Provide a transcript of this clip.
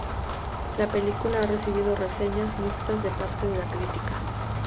La película ha recibido reseñas mixtas de parte de la crítica.